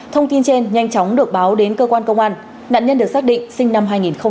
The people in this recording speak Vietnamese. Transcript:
thông tin trên nhanh chóng được báo đến cơ quan công an nạn nhân được xác định sinh năm hai nghìn một mươi ba